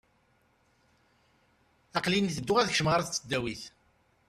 Aqel-in ttedduɣ ad kecmeɣ ɣer tesdawit.